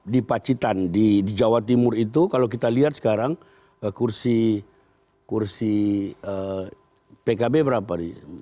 di pacitan di jawa timur itu kalau kita lihat sekarang kursi pkb berapa